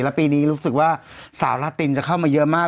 แล้วปีนี้รู้สึกว่าสาวลาตินจะเข้ามาเยอะมาก